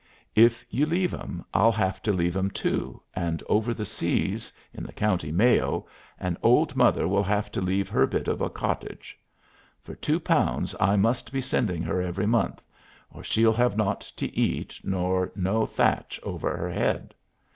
If you leave 'em I'll have to leave 'em too, and over the seas, in the County Mayo, an old mother will 'ave to leave her bit of a cottage. For two pounds I must be sending her every month, or she'll have naught to eat, nor no thatch over 'er head.